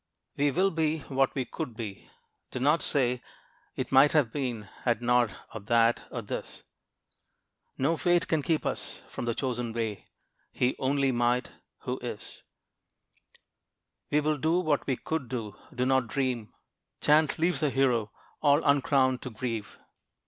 We will be what we could be. Do not say, "It might have been, had not or that, or this." No fate can keep us from the chosen way; He only might, who is. We will do what we could do. Do not dream Chance leaves a hero, all uncrowned to grieve.